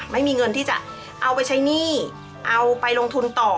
ไม่มีเงินที่จะเอาไปใช้หนี้เอาไปลงทุนต่อ